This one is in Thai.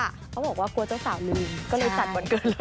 เขาบอกว่ากลัวเจ้าสาวลืมก็เลยจัดวันเกิด